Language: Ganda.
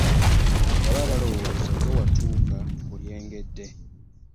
Baba balowooza ggwe watuuka ku lyengedde.